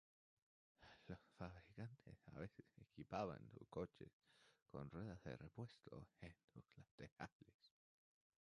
Los fabricantes a veces equipaban sus coches con ruedas de repuesto en sus laterales.